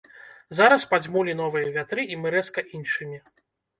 Зараз падзьмулі новыя вятры і мы рэзка іншымі.